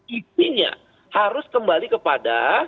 intinya harus kembali kepada